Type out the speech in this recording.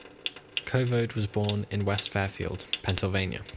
Covode was born in West Fairfield, Pennsylvania.